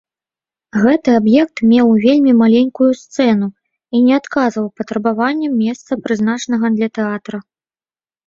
Гэты аб'ект меў вельмі маленькую сцэну і не адказваў патрабаванням месца, прызначанага для тэатра.